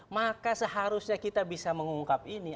maka seharusnya kita bisa mengungkap ini